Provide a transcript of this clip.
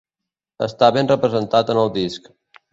Està ben representat en el disc.